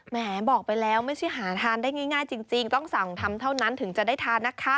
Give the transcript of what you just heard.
แหมบอกไปแล้วไม่ใช่หาทานได้ง่ายจริงต้องสั่งทำเท่านั้นถึงจะได้ทานนะคะ